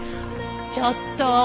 ちょっと！